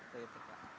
betul itu pak